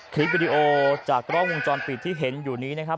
คลิปวิดีโอจากกล้องวงจรปิดที่เห็นอยู่นี้นะครับ